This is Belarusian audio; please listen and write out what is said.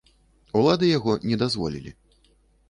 Улады яго не дазволілі.